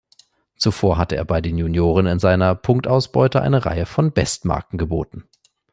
Zuvor hatte er bei den Junioren in seiner Punktausbeute eine Reihe von Bestmarken geboten.